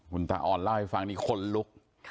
คุณตาออนเล่าให้ฟังนี่คนลุก